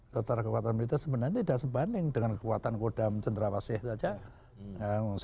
tentara kekuatan militer sebenarnya tidak sebanding dengan kekuatan kodam jendrawasih saja yang satu tiga ratus